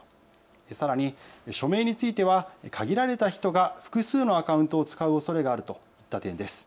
さらに、署名については限られた人が複数のアカウントを使うおそれがあるといった点です。